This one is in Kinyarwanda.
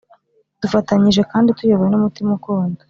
dufatanyije kandi tuyobowe n’umutima ukunda